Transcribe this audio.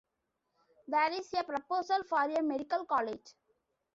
There is a proposal for a Medical College.